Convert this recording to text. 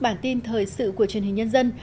bản tin thời sự của truyền hình nhân dân